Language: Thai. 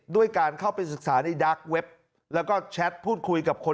ด้วยการเข้าไปศึกษาในดาร์กเว็บแล้วก็แชทพูดคุยกับคน